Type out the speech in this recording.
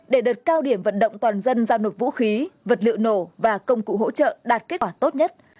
để đợt cao điểm vận động toàn dân giao nộp vũ khí vật liệu nổ và công cụ hỗ trợ đạt kết quả tốt nhất